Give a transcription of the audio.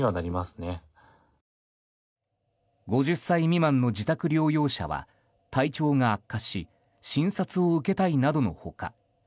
５０歳未満の自宅療養者は体調が悪化し診察を受けたいなどの他